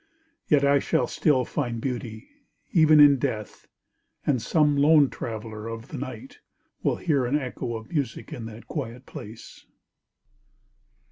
Yet I shall still find beauty, even in death, And some lone traveller of the night will hear An echo of music in that quiet place.